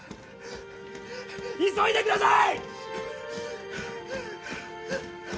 急いでください！